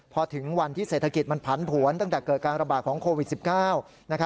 พอถึงวันที่เศรษฐกิจมันผันผวนตั้งแต่เกิดการระบาดของโควิด๑๙